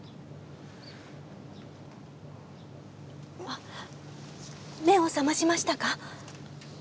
あ目を覚ましましたか？